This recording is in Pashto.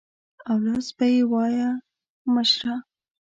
او لفظ به یې وایه مشره.